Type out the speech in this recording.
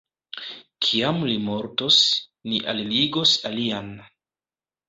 Kiam li mortos, ni alligos alian!